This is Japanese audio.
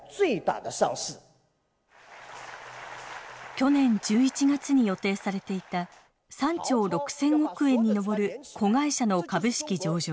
去年１１月に予定されていた３兆６，０００億円に上る子会社の株式上場。